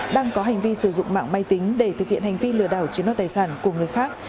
đang có hành vi sử dụng mạng máy tính để thực hiện hành vi lừa đảo chiếm đoạt tài sản của người khác